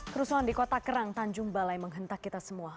kerusuhan di kota kerang tanjung balai menghentak kita semua